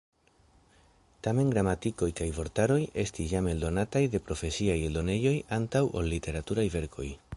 Tamen gramatikoj kaj vortaroj estis jam eldonataj de profesiaj eldonejoj antaŭ ol literaturaj verkoj.